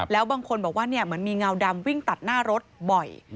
แล้วบางคนบอกว่าเหมือนมีเงาดำวิ่งตัดหน้ารถบ่อย